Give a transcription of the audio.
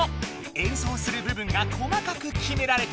演奏する部分が細かく決められている。